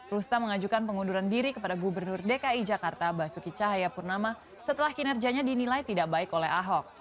rustam mengajukan pengunduran diri kepada gubernur dki jakarta basuki cahayapurnama setelah kinerjanya dinilai tidak baik oleh ahok